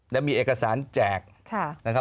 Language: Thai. และมีเอกสารแจก